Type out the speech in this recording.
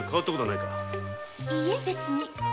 いいえなら別に。